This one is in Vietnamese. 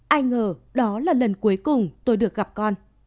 ai ngờ đó là lần cuối cùng tôi được gặp con